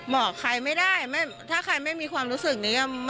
บอกใครไม่ได้ถ้าใครไม่มีความรู้สึกนี้